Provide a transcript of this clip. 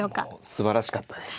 すばらしかったです。